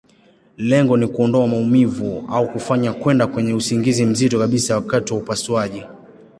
Lengo ni kuondoa maumivu, au kufanya kwenda kwenye usingizi mzito kabisa wakati wa upasuaji.